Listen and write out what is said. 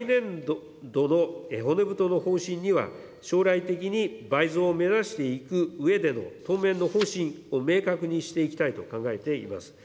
来年度の骨太の方針には、将来的に倍増を目指していくうえでの当面の方針を明確にしていきたいと考えています。